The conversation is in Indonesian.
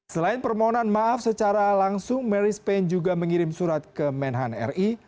selain permohonan maaf secara langsung mary spain juga mengirim surat ke menhan ri